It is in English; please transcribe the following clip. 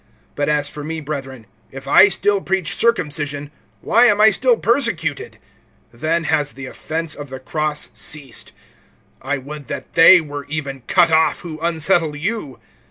(11)But as for me, brethren, if I still preach circumcision, why am I still persecuted? Then has the offense of the cross ceased. (12)I would that they were even cut off who unsettle you.